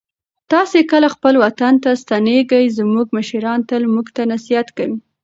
تاسې کله خپل وطن ته ستنېږئ؟ زموږ مشران تل موږ ته نصیحت کوي.